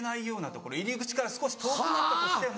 入り口から少し遠くなったとしても。